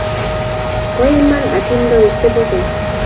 Poiman atindonik che po keny.